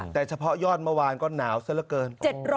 แต่เฉพาะยอดเมื่อวานก็หนาวซะละเกิน